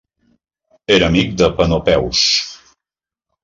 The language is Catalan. Era amic de Panopeus.